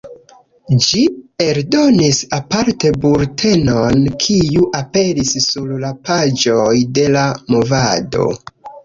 Ĝi eldonis aparte bultenon, kiu aperis sur la paĝoj de La Movado.